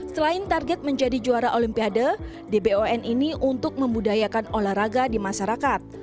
selain target menjadi juara olimpiade dbon ini untuk membudayakan olahraga di masyarakat